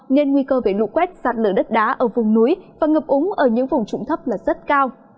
nên nguy cơ về lũ quét sạt lở đất đá ở vùng núi và ngập úng ở những vùng trụng thấp là rất cao